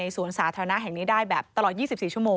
สวนสาธารณะแห่งนี้ได้แบบตลอด๒๔ชั่วโมง